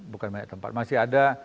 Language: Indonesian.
bukan banyak tempat masih ada